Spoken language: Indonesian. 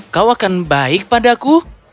kau akan baik padaku